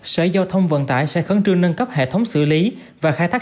sở giao thông vận tải sẽ khẩn trương nâng cấp hệ thống xử lý và khai thác